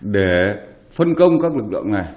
để phân công các lực lượng này